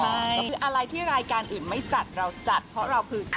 ก็คืออะไรที่รายการอื่นไม่จัดเราจัดเพราะเราคือ